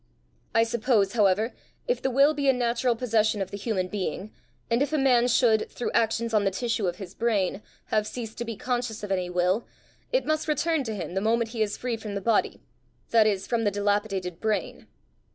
I suppose, however, if the will be a natural possession of the human being, and if a man should, through actions on the tissue of his brain, have ceased to be conscious of any will, it must return to him the moment he is free from the body, that is, from the dilapidated brain!"